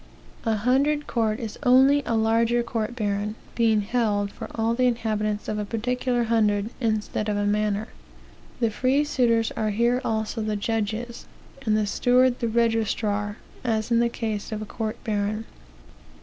"A hundred court is only a larger court baron, being held for all the inhabitants of a particular hundred, instead of a manor. The free suitors are here also the judges, and the steward the registrar, as in the case of a court baron.